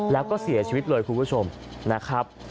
แล้วก็เสียชีวิตเลยคุณผู้ชมนะครับ